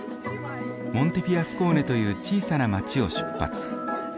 モンテフィアスコーネという小さな街を出発。